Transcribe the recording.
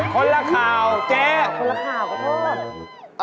คนละข่าวแกคนละข่าวก็เธอ